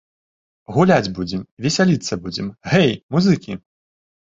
Гуляць будзем, весяліцца будзем, гэй, музыкі.